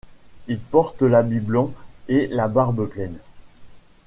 Ils portent l'habit blanc et la barbe pleine.